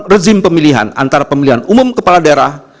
rezim pemilihan antara pemilihan umum kepala daerah